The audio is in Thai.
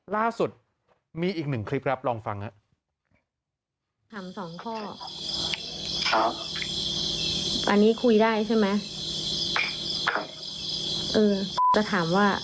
ล่าสุดมีอีกหนึ่งคลิปครับลองฟังครับ